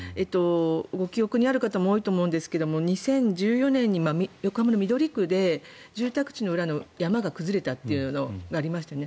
ご記憶にある方も多いと思いますが、２０１４年に横浜の緑区で、住宅地の裏の山が崩れたというのがありましたよね。